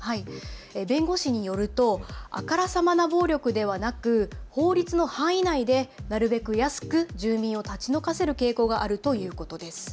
弁護士によるとあからさまな暴力ではなく法律の範囲内でなるべく安く住民を立ち退かせる傾向があるということです。